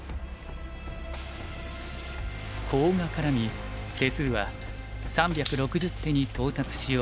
コウが絡み手数は３６０手に到達しようとしていた。